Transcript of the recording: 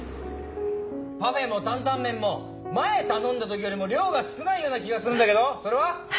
パフェも担々麺も前頼んだ時よりも量が少ないような気がするんだけどそれは？